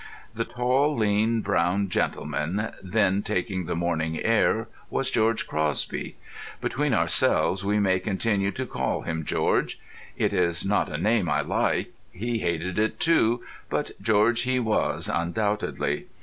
The tall, lean, brown gentleman, then, taking the morning air was George Crosby. Between ourselves we may continue to call him George. It is not a name I like; he hated it too; but George he was undoubtedly.